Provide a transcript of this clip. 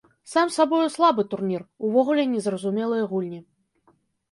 Сам сабою слабы турнір, увогуле не зразумелыя гульні.